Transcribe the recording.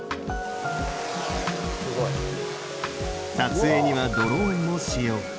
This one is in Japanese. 撮影にはドローンも使用。